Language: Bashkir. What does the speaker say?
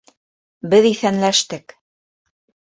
Беҙ иҫәнләштек...